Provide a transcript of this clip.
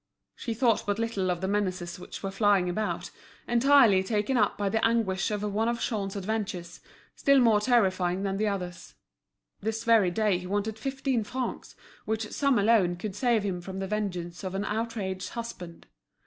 She thought but little of the menaces which were flying about, entirely taken up by the anguish of one of Jean's adventures, still more terrifying than the others. This very day he wanted fifteen francs, which sum alone could save him from the vengeance of an outraged husband.